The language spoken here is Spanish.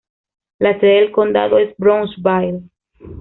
La sede de condado es Brownsville.